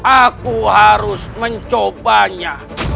aku harus mencobanya